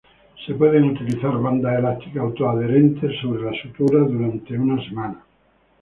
Se pueden utilizar bandas elásticas auto adherentes sobre la sutura hasta por una semana.